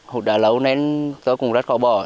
hút đã lâu nên tôi cũng rất khó bỏ